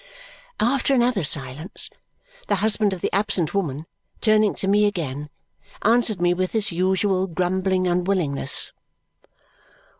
After another silence, the husband of the absent woman, turning to me again, answered me with his usual grumbling unwillingness.